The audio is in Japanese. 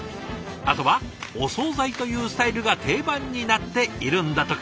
あとはお総菜というスタイルが定番になっているんだとか。